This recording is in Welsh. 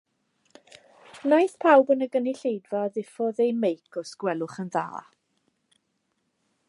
Wnaiff pawb yn y gynulleidfa ddiffodd eu meic os gwelwch yn dda.